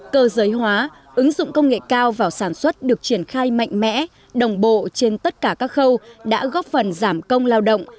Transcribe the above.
cơ giới hóa ứng dụng công nghệ cao vào sản xuất được triển khai mạnh mẽ đồng bộ trên tất cả các khâu đã góp phần giảm công lao động